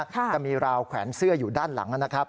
จะมีราวแขวนเสื้ออยู่ด้านหลังนะครับ